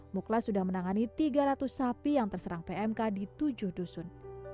muklas sudah menangani tiga ratus sapi yang terserang pmk di tujuh dusun